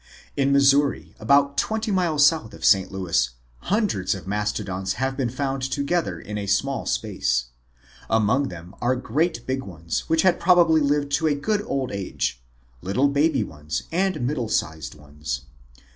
In Missouri, about twenty miles south of St. Louis, hundreds of Mastodons have been found together within a small space. Among them are great big ones which had probably lived to a good old age, little baby ones, and middle sized ones.